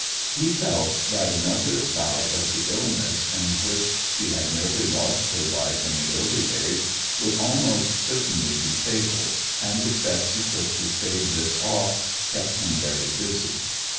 He felt that another bout of the illness in which she had nearly lost her life in the early days would almost certainly be fatal, and the steps he took to stave this off kept him very busy.